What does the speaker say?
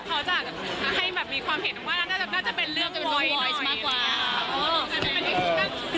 เขาจะให้แบบมีความเห็นว่าน่าจะเป็นเรื่องกันบ่อยมากกว่า